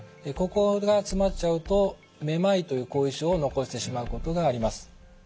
ここが詰まっちゃうとめまいという後遺症を残してしまうことがあります。